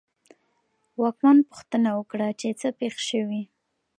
واکمن پوښتنه وکړه چې څه پېښ شوي.